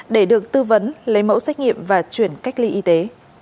để được tư vấn lấy mẫu xét nghiệm và chuyển cách ly y tế